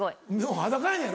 裸やのやろ？